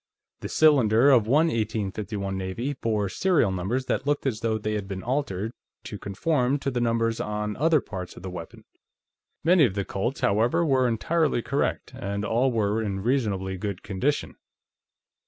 The cylinder of one 1851 Navy bore serial numbers that looked as though they had been altered to conform to the numbers on other parts of the weapon. Many of the Colts, however, were entirely correct, and all were in reasonably good condition.